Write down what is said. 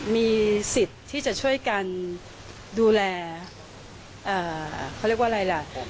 มีสิทธิ์ที่จะช่วยกันดูแลเขาเรียกว่าอะไรล่ะ